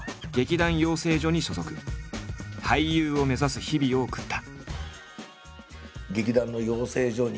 俳優を目指す日々を送った。